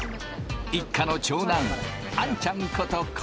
一家の長男あんちゃんこと昴生。